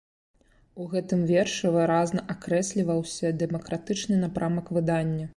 У гэтым вершы выразна акрэсліваўся дэмакратычны напрамак выдання.